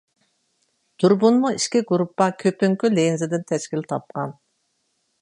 دۇربۇنمۇ ئىككى گۇرۇپپا كۆپۈنگۈ لېنزىدىن تەشكىل تاپقان.